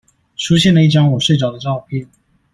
出現了一張我睡著的照片